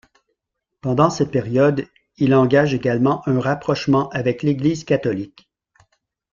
Pendant cette période il engage également un rapprochement avec l'Église Catholique.